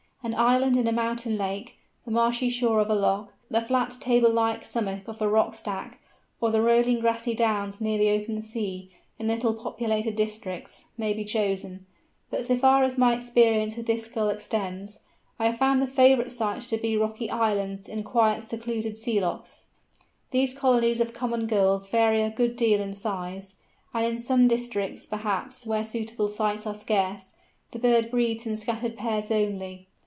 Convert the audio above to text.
An island in a mountain lake, the marshy shore of a loch, the flat table like summit of a rock stack, or the rolling grassy downs near the open sea, in little populated districts, may be chosen; but so far as my experience with this Gull extends, I have found the favourite site to be rocky islands in quiet secluded sea lochs. These colonies of Common Gulls vary a good deal in size; and in some districts, perhaps where suitable sites are scarce, the bird breeds in scattered pairs only.